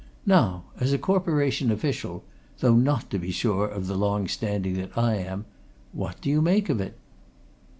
Now, as a Corporation official though not, to be sure, of the long standing that I am what do you make of it?"